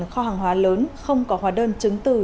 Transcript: kho hàng hóa lớn không có hóa đơn chứng từ